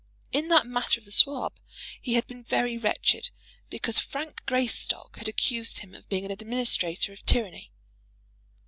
In that matter of the Sawab he had been very wretched, because Frank Greystock had accused him of being an administrator of tyranny.